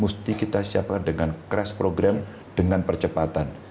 mesti kita siapkan dengan crash program dengan percepatan